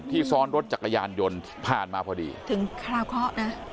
ซ้อนรถจักรยานยนต์ผ่านมาพอดีถึงคราวเคราะห์นะ